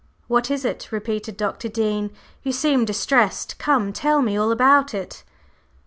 "What is it?" repeated Dr. Dean. "You seem distressed; come, tell me all about it!"